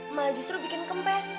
malah justru bikin kempes